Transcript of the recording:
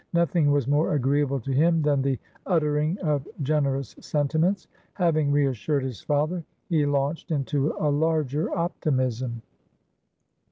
Nothing was more agreeable to him than the uttering of generous sentiments. Having reassured his father, he launched into a larger optimism.